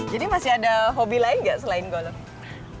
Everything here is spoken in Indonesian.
jadi masih ada hobi lain nggak selain golf